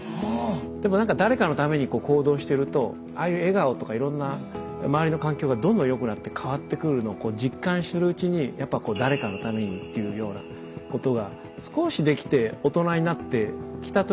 でもなんか誰かのために行動してるとああいう笑顔とかいろんな周りの環境がどんどん良くなって変わってくるのをこう実感するうちにやっぱこう誰かのためにっていうようなことが少しできて大人になってきた時に成績がこう上がり始めて。